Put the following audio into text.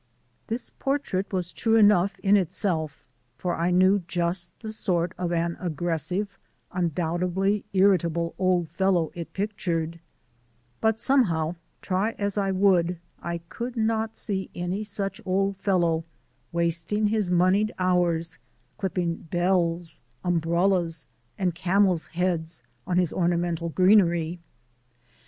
This portrait was true enough in itself, for I knew just the sort of an aggressive, undoubtedly irritable old fellow it pictured, but somehow, try as I would, I could not see any such old fellow wasting his moneyed hours clipping bells, umbrellas, and camel's heads on his ornamental greenery.